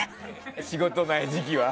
仕事ない時期は。